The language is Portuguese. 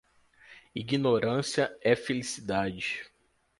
Ignorância é felicidade.